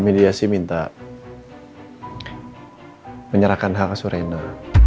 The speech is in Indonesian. mediasi minta menyerahkan hak surena